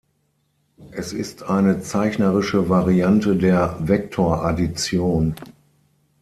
Es ist eine zeichnerische Variante der Vektoraddition.